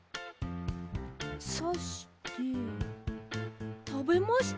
さしてたべました。